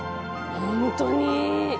本当に。